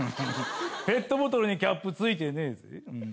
ペットボトルにキャップついてねえぜ。